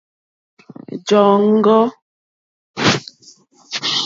Jó òŋɡô.